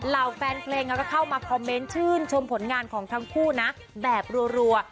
เหล่าแฟนเพลงก็เข้ามาคอมเมนต์ชื่นชมผลงานของทั้งคู่นะแบบรัว